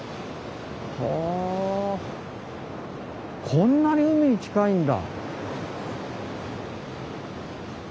こんなに海に近いんだ。